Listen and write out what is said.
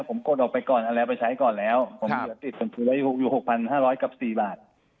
ผมกดออกไปก่อนอันเนี้ยไปใช้ก่อนแล้วผมติดอยู่๖๕๐๐กับ๔บาท